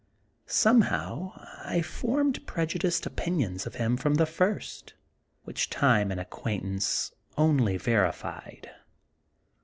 Somehow I formed prejudiced opinions of him from the first, which time and acquaint ance only verified.